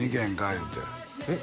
いうてえっ？